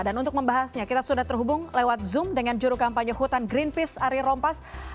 dan untuk membahasnya kita sudah terhubung lewat zoom dengan juru kampanye hutan greenpeace ari rompas